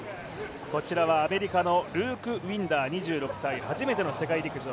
アメリカのルーク・ウィンダー２６歳、初めての世界陸上。